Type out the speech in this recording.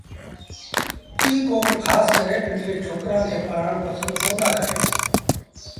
ايٚ ڪوم کآس ڪري پنڊري ڇوڪرآݩ کي پڙهآڻ پسند ڪريݩ دآ